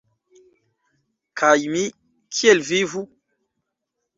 Kaj mi kiel vivu?